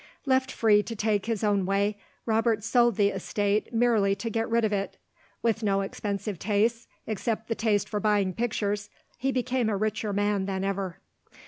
Left free to take his own way, Robert sold the estate merely to get rid of it. With no expensive tastes, except the taste for buying pictures, he became a richer man than ever.